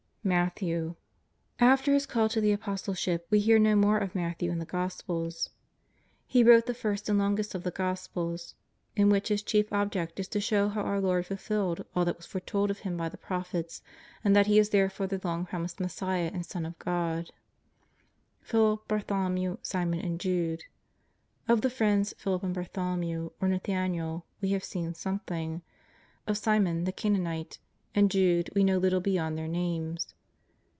Matthew. After his call to the Apostleship we hear BO more of Matthew in the Gospels. He wrote the first 198 JESUS OF NAZAEETH. and longest of the Gospels, in whicli his chief object is to show how our Lord fulfilled all that was foretold of Him by the Prophets, and that He is therefore the long promised Messiah and Son of God. Philip, Bartholomew, Simon and Jude. Of the friends Philip and Bartholomew, or jSTathaniel, we have seen something. Of Simon, the Canaanite, and Jude we know little beyond their names.